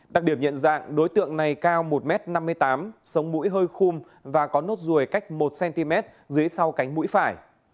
đặc điểm nhận dạng đối tượng này cao một m năm mươi tám sống mũi hơi khung và có nốt ruồi cách một cm dưới sau cánh mũi phải